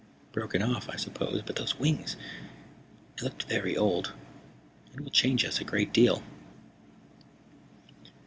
Broken off, I suppose. But those wings It looked very old. It will change us a great deal."